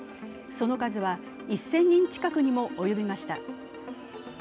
その数は１０００人近くにも及びました。